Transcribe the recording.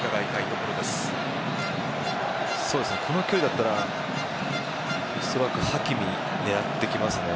この距離だったらおそらくハキミ、狙ってきますね。